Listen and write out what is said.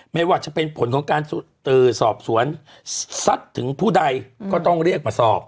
ไม่ว่าจะเป็นผลของการสอบสวนซัดถึงผู้ใดก็ต้องเรียกมาสอบ